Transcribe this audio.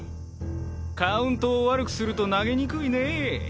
カウントを悪くすると投げにくいねぇ。